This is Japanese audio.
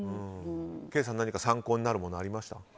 ケイさん、何か参考になるものありました？